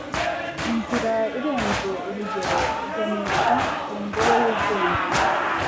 inzira irenze urugero iganisha ku ngoro y'ubwenge